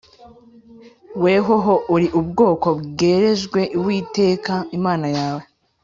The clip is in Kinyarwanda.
Wehoho uri ubwoko bwerejwe Uwiteka Imana yawe